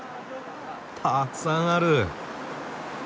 たくさんある。